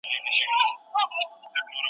لوستې نجونې د خدمتونو ته لاسرسی ښه کوي.